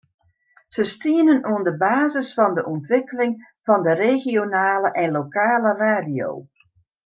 Se stienen oan de basis fan de ûntwikkeling fan de regionale en lokale radio.